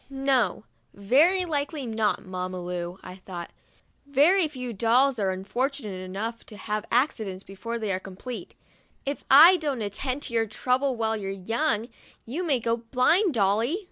" No, very likely not, Mamma Lu," I thought. "Very few dolls are unfortunate enough to have accidents before they are complete." "If I don't at tend to your trouble while your young, you may go blind, Dolly